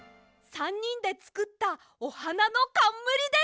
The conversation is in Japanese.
３にんでつくったおはなのかんむりです！